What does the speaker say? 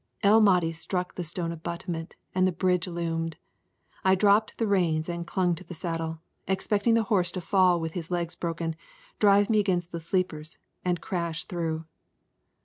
El Mahdi struck the stone abutment and the bridge loomed. I dropped the reins and clung to the saddle, expecting the horse to fall with his legs broken, drive me against the sleepers and crash through.